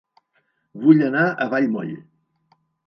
Vull anar a Vallmoll